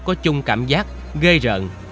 có chung cảm giác gây rợn